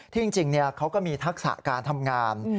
จริงเขาก็มีทักษะการทำงาน